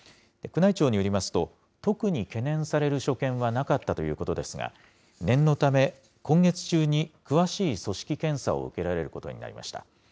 宮内庁によりますと、特に懸念される所見はなかったということですが、念のため、今月中に詳しい組織検査を受けられることになりました。